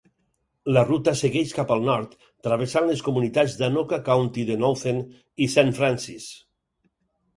La ruta segueix cap al nord travessant les comunitats d"Anoka County de Nowthen i Saint Francis.